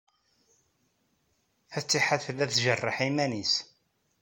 Fatiḥa tella tjerreḥ iman-nnes.